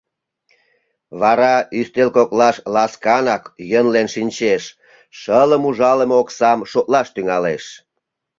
Вара ӱстел коклаш ласканак йӧнлен шинчеш, шылым ужалыме оксам шотлаш тӱҥалеш.